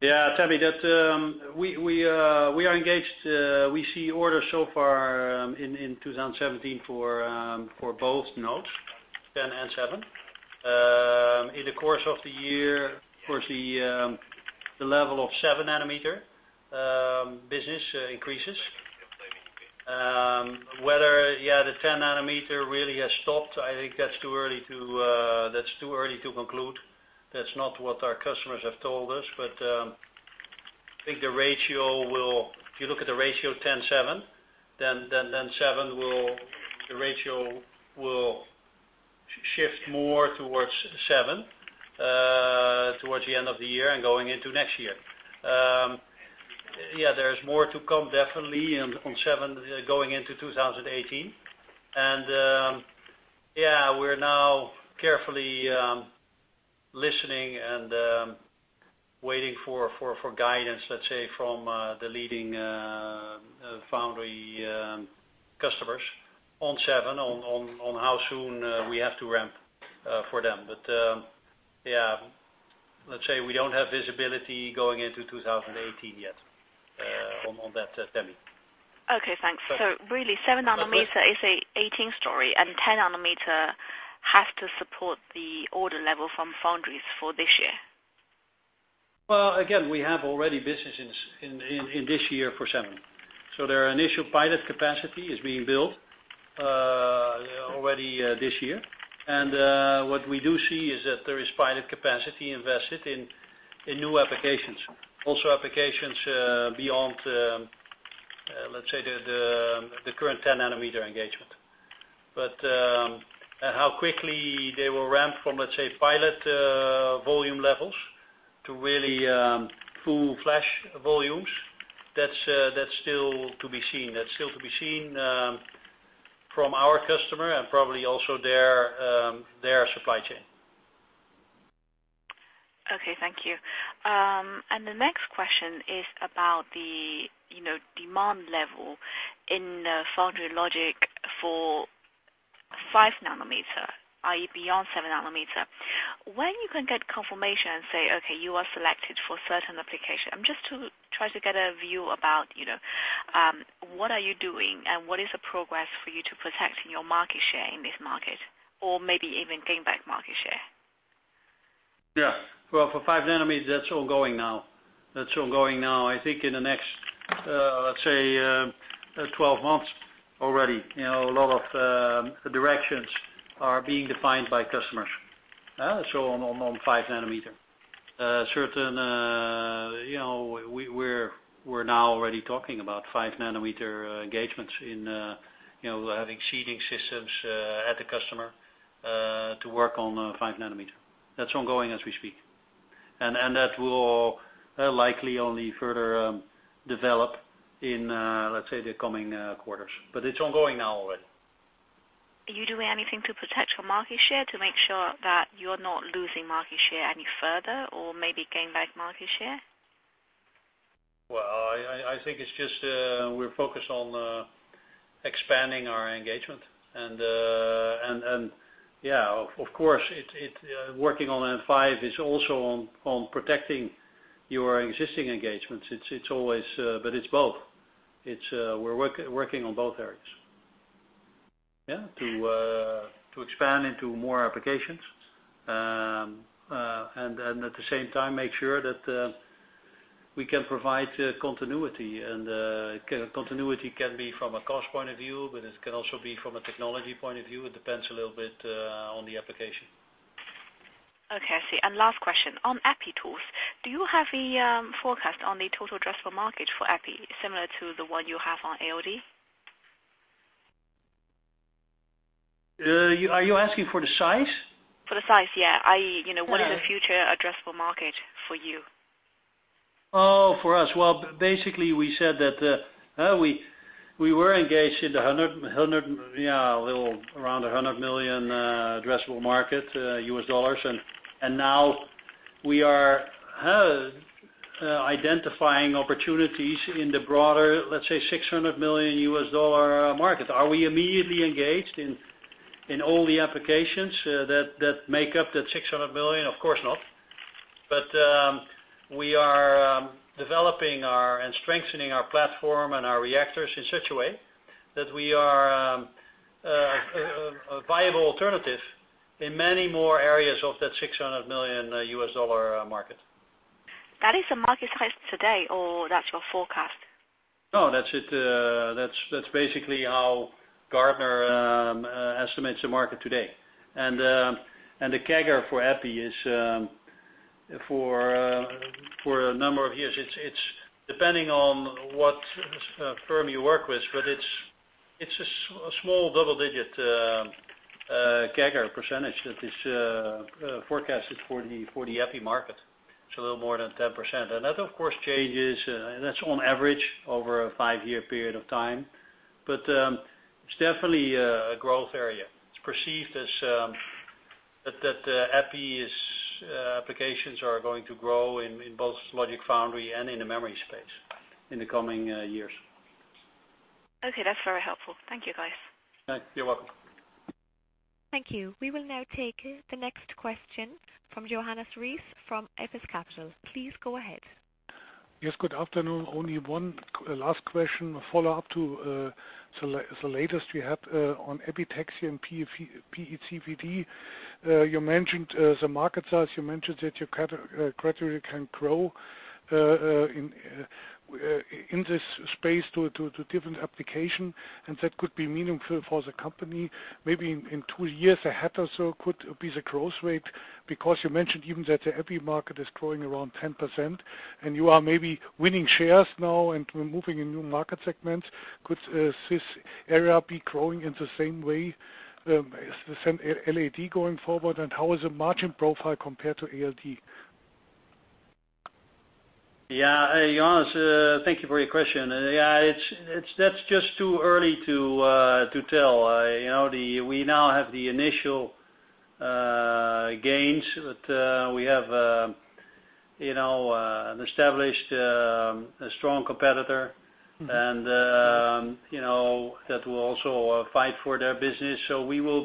Yeah, Tammy. We see orders so far in 2017 for both nodes, 10 and 7. In the course of the year, of course, the level of 7-nanometer business increases. Whether the 10 nanometer really has stopped, I think that's too early to conclude. That's not what our customers have told us. If you look at the ratio 10, 7, then the ratio will shift more towards 7, towards the end of the year and going into next year. There's more to come definitely on 7 going into 2018. We're now carefully listening and waiting for guidance, let's say from the leading foundry customers on 7, on how soon we have to ramp for them. Let's say we don't have visibility going into 2018 yet on that, Tammy. Okay, thanks. No problem. Really 7 nanometer is a 2018 story, and 10 nanometer has to support the order level from foundries for this year. Well, again, we have already businesses in this year for 7. Their initial pilot capacity is being built already this year. What we do see is that there is pilot capacity invested in new applications. Also applications beyond, let's say the current 10 nanometer engagement. How quickly they will ramp from, let's say, pilot volume levels to really full flash volumes, that's still to be seen. That's still to be seen from our customer and probably also their supply chain. Okay, thank you. The next question is about the demand level in foundry logic for 5 nanometer, i.e., beyond 7 nanometer. When you can get confirmation and say, okay, you are selected for certain application. Just to try to get a view about what are you doing and what is the progress for you to protect your market share in this market, or maybe even gain back market share? Well, for 5 nanometers, that's ongoing now. I think in the next, let's say, 12 months already, a lot of directions are being defined by customers on 5 nanometer. We're now already talking about 5 nanometer engagements in having seeding systems at the customer to work on 5 nanometer. That's ongoing as we speak. That will likely only further develop in, let's say the coming quarters. It's ongoing now already. Are you doing anything to protect your market share to make sure that you're not losing market share any further or maybe gain back market share? Well, I think it's just we're focused on expanding our engagement. Of course, working on 5 is also on protecting your existing engagements. It's both. We're working on both areas. To expand into more applications, and at the same time make sure that we can provide continuity. Continuity can be from a cost point of view, but it can also be from a technology point of view. It depends a little bit on the application. Okay, I see. Last question. On EPI tools, do you have a forecast on the total addressable market for EPI similar to the one you have on ALD? Are you asking for the size? For the size, yeah. Yeah. What is the future addressable market for you? Well, basically, we said that we were engaged in around 100 million addressable market. Now we are identifying opportunities in the broader, let's say EUR 600 million market. Are we immediately engaged in all the applications that make up that 600 million? Of course not. We are developing and strengthening our platform and our reactors in such a way that we are a viable alternative in many more areas of that EUR 600 million market. That is a market size today, or that's your forecast? No, that's basically how Gartner estimates the market today. The CAGR for EPI for a number of years, it's depending on what firm you work with, but it's a small double-digit CAGR percentage that is forecasted for the EPI market. It's a little more than 10%. That, of course, changes. That's on average over a five-year period of time. It's definitely a growth area. It's perceived that EPI's applications are going to grow in both logic foundry and in the memory space in the coming years. Okay. That's very helpful. Thank you, guys. You're welcome. Thank you. We will now take the next question from Johannes Ries from Apus Capital. Please go ahead. Yes, good afternoon. Only one last question, a follow-up to the latest we had on epitaxy and PECVD. You mentioned the market size, you mentioned that you gradually can grow in this space to different application, and that could be meaningful for the company. Maybe in two years ahead or so could be the growth rate, because you mentioned even that the EPI market is growing around 10%, and you are maybe winning shares now and moving in new market segments. Could this area be growing in the same way as the ALD going forward, and how is the margin profile compared to ALD? Yeah. Johannes, thank you for your question. That's just too early to tell. We now have the initial gains, but we have an established, strong competitor that will also fight for their business. We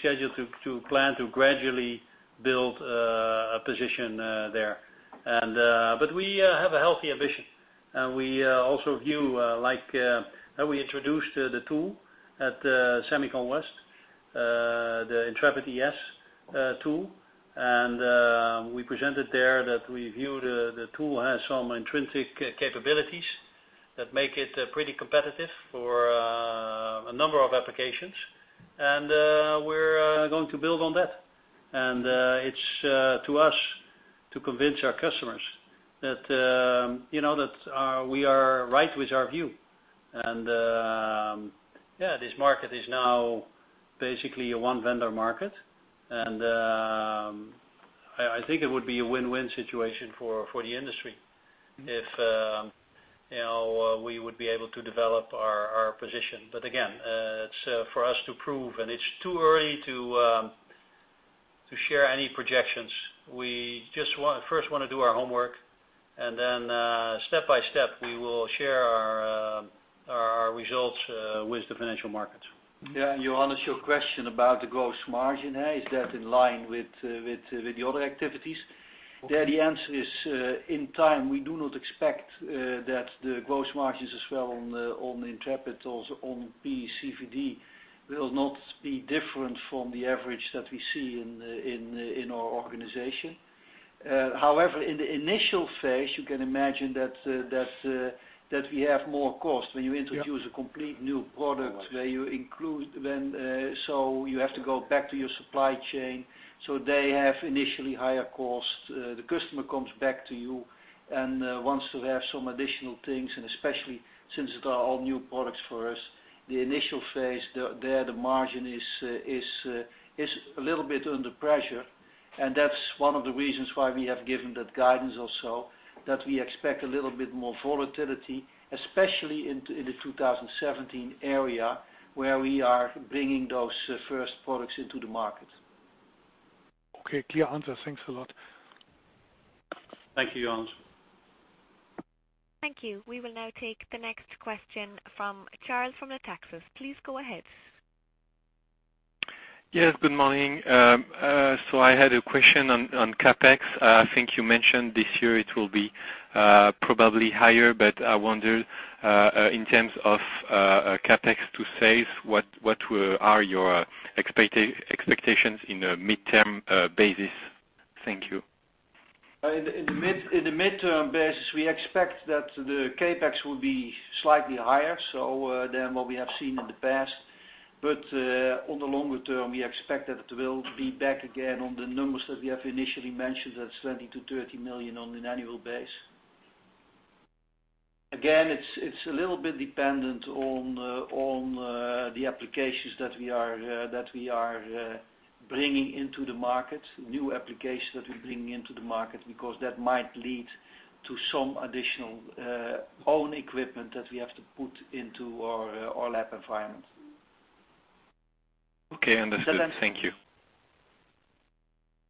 schedule to plan to gradually build a position there. We have a healthy ambition, and we also view, like how we introduced the tool at SEMICON West, the Intrepid ES tool. We presented there that we view the tool has some intrinsic capabilities that make it pretty competitive for a number of applications. We're going to build on that. It's to us to convince our customers that we are right with our view. Yeah, this market is now basically a one-vendor market, and I think it would be a win-win situation for the industry if we would be able to develop our position. But again, it's for us to prove, and it's too early to share any projections. We just first want to do our homework, and then, step by step, we will share our results with the financial markets. Yeah. Johannes, your question about the gross margin, is that in line with the other activities? There, the answer is, in time, we do not expect that the gross margins as well on the Intrepid, on PECVD, will not be different from the average that we see in our organization. In the initial phase, you can imagine that we have more cost. When you introduce a complete new product- Yeah. You have to go back to your supply chain, so they have initially higher cost. The customer comes back to you and wants to have some additional things, and especially since they are all new products for us, the initial phase, there, the margin is a little bit under pressure. That's one of the reasons why we have given that guidance also, that we expect a little bit more volatility, especially in the 2017 area where we are bringing those first products into the market. Okay. Clear answer. Thanks a lot. Thank you, Johannes. Thank you. We will now take the next question from Charles from Natixis. Please go ahead. Yes, good morning. I had a question on CapEx. I think you mentioned this year it will be probably higher, but I wonder, in terms of CapEx to sales, what are your expectations in the midterm basis? Thank you. In the midterm basis, we expect that the CapEx will be slightly higher, so than what we have seen in the past. On the longer term, we expect that it will be back again on the numbers that we have initially mentioned, that's 20 million-30 million on an annual basis. Again, it's a little bit dependent on the applications that we are bringing into the market, new applications that we're bringing into the market, because that might lead to some additional own equipment that we have to put into our lab environment. Okay, understood. Thank you.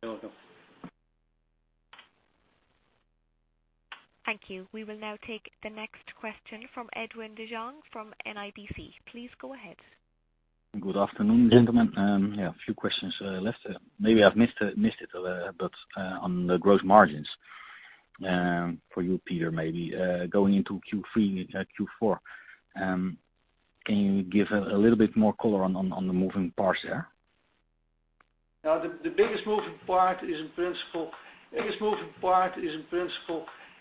You're welcome. Thank you. We will now take the next question from Edwin de Jong from NIBC. Please go ahead. Good afternoon, gentlemen. A few questions left. Maybe I've missed it, but on the growth margins, for you, Peter, maybe, going into Q3, Q4, can you give a little bit more color on the moving parts there? The biggest moving part is in principle,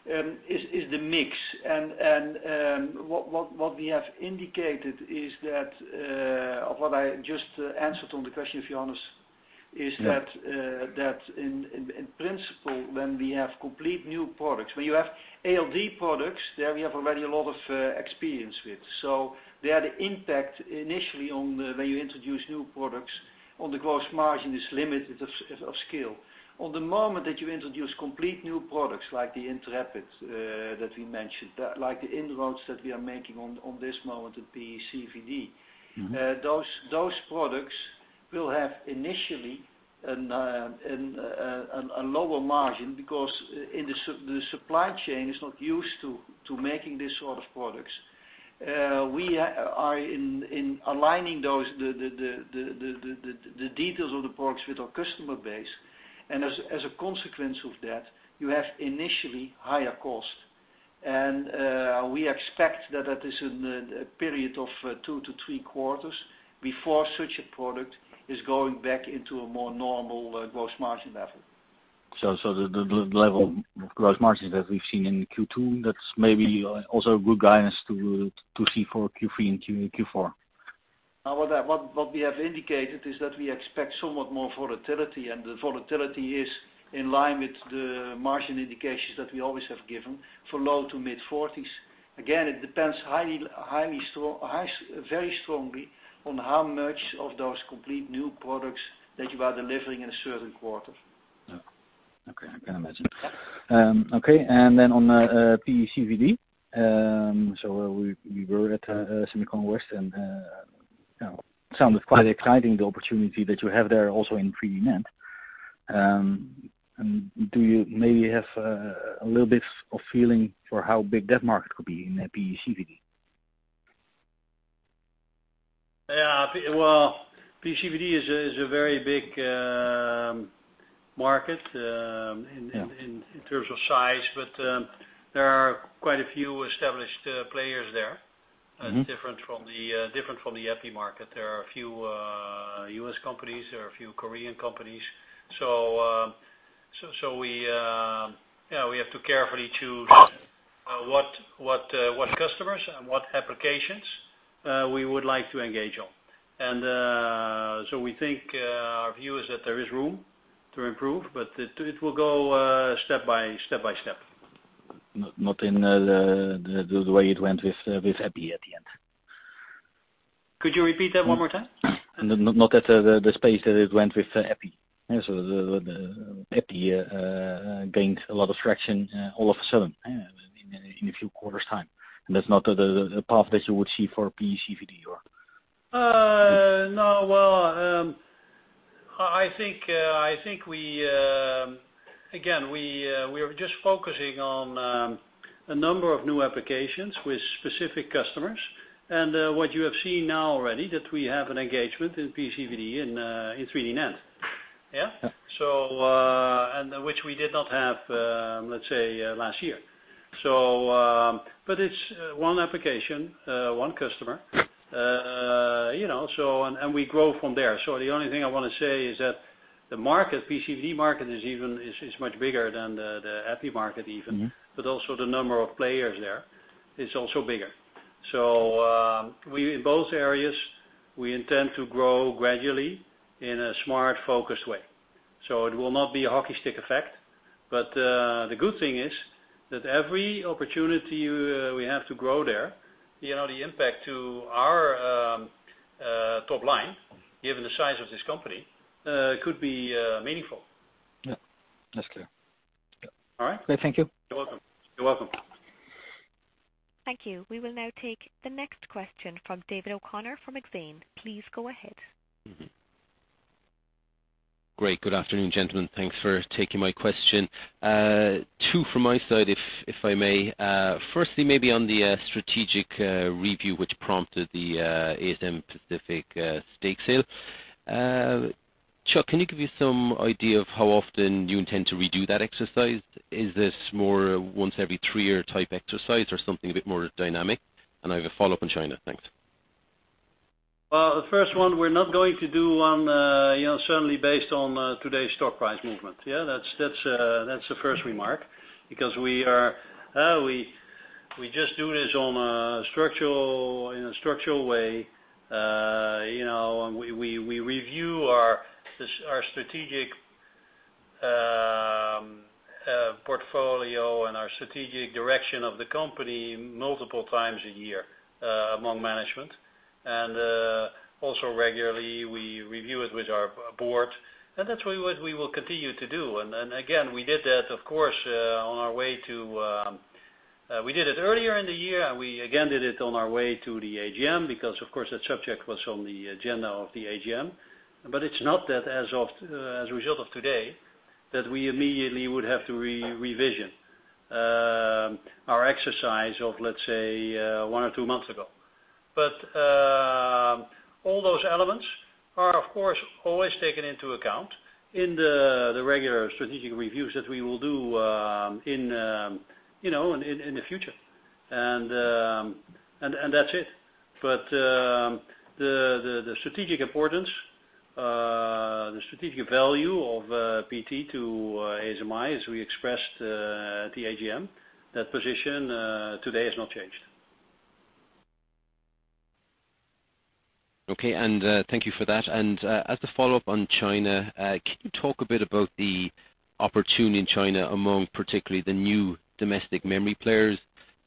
the mix. What we have indicated is that what I just answered on the question of Johannes is that in principle, when we have complete new products, when you have ALD products, there we have already a lot of experience with. There the impact initially on when you introduce new products on the gross margin is limited of scale. On the moment that you introduce complete new products like the Intrepid that we mentioned, like the inroads that we are making on this moment in PECVD. Those products will have initially a lower margin because the supply chain is not used to making this sort of products. We are in aligning the details of the products with our customer base. As a consequence of that, you have initially higher cost. We expect that that is in a period of two to three quarters before such a product is going back into a more normal gross margin level. The level of gross margins that we've seen in Q2, that's maybe also a good guidance to see for Q3 and Q4. What we have indicated is that we expect somewhat more volatility, and the volatility is in line with the margin indications that we always have given for low to mid-40s. Again, it depends very strongly on how much of those complete new products that you are delivering in a certain quarter. Okay. I can imagine. On PECVD, we were at SEMICON West and it sounded quite exciting, the opportunity that you have there also in 3D-NAND. Do you maybe have a little bit of feeling for how big that market could be in PECVD? Well, PECVD is a very big market. Yeah In terms of size, there are quite a few established players there. Different from the EPI market. There are a few U.S. companies, there are a few Korean companies. We have to carefully choose what customers and what applications, we would like to engage on. We think, our view is that there is room to improve, it will go step by step. Not in the way it went with EPI at the end. Could you repeat that one more time? Not at the space that it went with EPI. The EPI, gained a lot of traction all of a sudden in a few quarters' time, and that's not the path that you would see for PECVD or? No. Well, I think, again, we are just focusing on a number of new applications with specific customers and what you have seen now already, that we have an engagement in PECVD in 3D NAND. Yeah? Yeah. Which we did not have, let's say, last year. It's one application, one customer. We grow from there. The only thing I want to say is that the PECVD market is much bigger than the EPI market even. Also the number of players there is also bigger. In both areas, we intend to grow gradually in a smart, focused way. It will not be a hockey stick effect. The good thing is that every opportunity we have to grow there, the impact to our top line, given the size of this company, could be meaningful. Yeah. That's clear. Yeah. All right. Great. Thank you. You're welcome. Thank you. We will now take the next question from David O'Connor from Exane. Please go ahead. Great. Good afternoon, gentlemen. Thanks for taking my question. Two from my side, if I may. Firstly, maybe on the strategic review, which prompted the ASM Pacific stake sale. Chuck, can you give me some idea of how often you intend to redo that exercise? Is this more a once every three-year type exercise or something a bit more dynamic? I have a follow-up on China. Thanks. Well, the first one we're not going to do certainly based on today's stock price movement. That's the first remark. We just do this in a structural way. We review our strategic portfolio and our strategic direction of the company multiple times a year, among management. Also regularly, we review it with our board, and that's what we will continue to do. Again, we did that of course, on our way to. We did it earlier in the year. We again did it on our way to the AGM, because of course, that subject was on the agenda of the AGM. It's not that as a result of today, that we immediately would have to revision. Our exercise of, let's say, one or two months ago. All those elements are, of course, always taken into account in the regular strategic reviews that we will do in the future. That's it. The strategic importance, the strategic value of PT to ASMI, as we expressed at the AGM, that position today has not changed. Okay. Thank you for that. As the follow-up on China, can you talk a bit about the opportunity in China among particularly the new domestic memory players?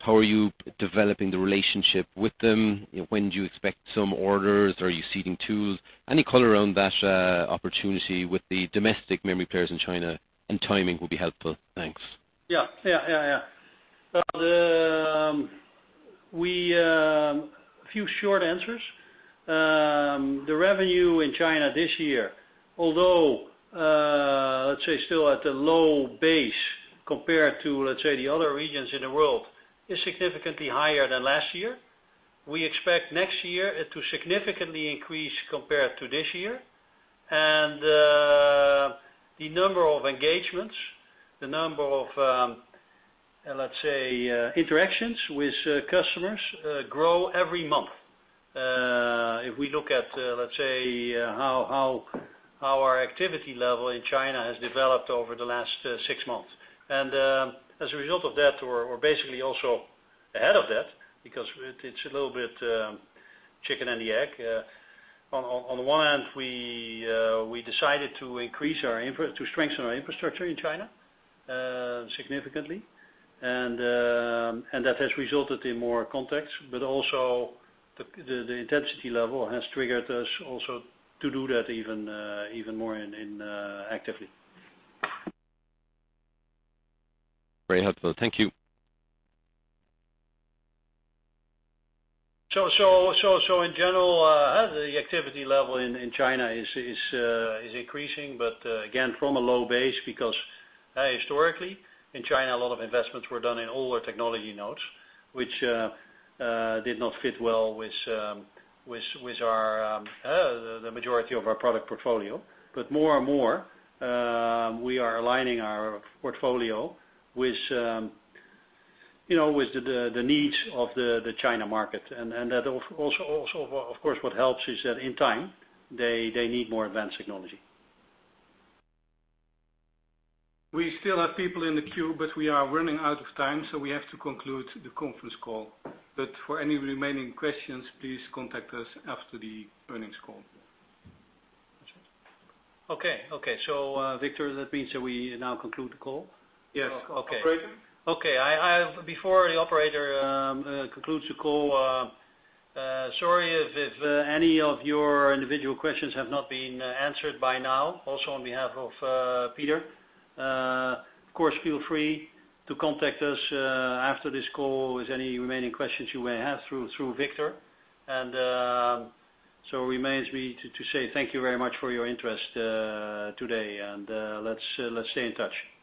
How are you developing the relationship with them? When do you expect some orders? Are you seeding tools? Any color around that opportunity with the domestic memory players in China, and timing will be helpful. Thanks. Yeah. A few short answers. The revenue in China this year, although, let's say still at a low base compared to, let's say the other regions in the world, is significantly higher than last year. We expect next year it to significantly increase compared to this year. The number of engagements, the number of, let's say, interactions with customers, grow every month. If we look at, let's say, how our activity level in China has developed over the last six months. As a result of that, or basically also ahead of that, because it's a little bit chicken and the egg. On the one hand, we decided to strengthen our infrastructure in China, significantly. That has resulted in more contacts, but also the intensity level has triggered us also to do that even more actively. Very helpful. Thank you. In general, the activity level in China is increasing, but again, from a low base, because historically in China, a lot of investments were done in older technology nodes, which did not fit well with the majority of our product portfolio. More and more, we are aligning our portfolio with the needs of the China market. That also, of course, what helps is that in time, they need more advanced technology. We still have people in the queue, but we are running out of time, so we have to conclude the conference call. For any remaining questions, please contact us after the earnings call. Okay, Victor, that means that we now conclude the call? Yes. Okay. Operator? Okay. Before the operator concludes the call, sorry if any of your individual questions have not been answered by now, also on behalf of Peter. Of course, feel free to contact us after this call with any remaining questions you may have through Victor. Remains me to say thank you very much for your interest today, and let's stay in touch.